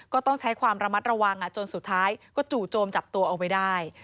ก็ต้องใช้ความระมัดระวังจนสุดท้ายก็จู่โจมจับตัวเอาไว้ได้